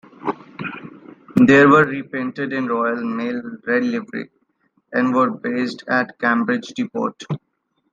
These were repainted in Royal Mail red livery, and were based at Cambridge depot.